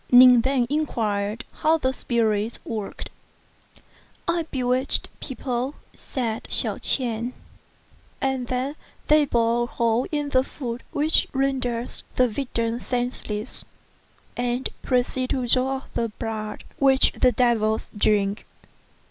Ning then inquired how the spirits worked. " I bewitch people," said Hsiao ch'ien, " and then they bore a hole in the foot which renders the victim senseless, and proceed to draw off the blood, which the devils drink.